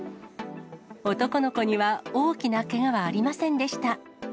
男の子には大きなけがはありませんでした。